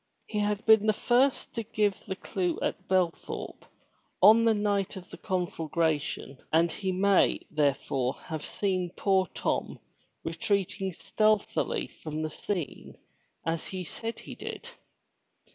He had been the first to give the clue at Belthorpe on the night of the conflagration and he may, therefore, have seen poor Tom retreating stealthily from the scene as he said he did.